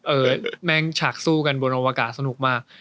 แม่งฉากสู้กันบนอวกาศสนุกมาก